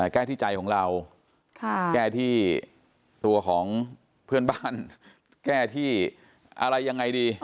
แก้ที่ใจของเราแก้ที่ตัวของเพื่อนบ้านแก้ที่อะไรยังไงดี